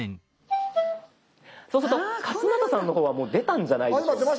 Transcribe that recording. そうすると勝俣さんの方はもう出たんじゃないでしょうか。